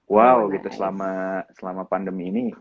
wow gitu selama pandemi ini